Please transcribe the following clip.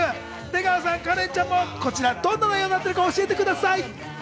出川さん、カレンちゃん、こちらどんな内容になってるか教えてください。